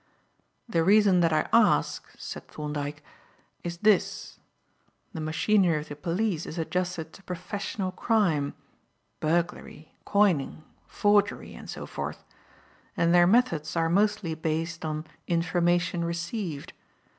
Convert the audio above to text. "The reason that I ask," said Thorndyke, "is this: the machinery of the police is adjusted to professional crime burglary, coining, forgery, and so forth and their methods are mostly based on 'information received.'